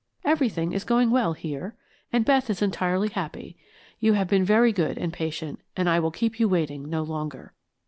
Everything is going well here, and Beth is entirely happy. You have been very good and patient, and I will keep you waiting no longer.